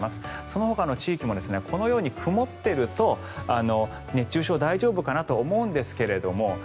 そのほかの地域もこのように曇っていると熱中症大丈夫かなと思うんですけど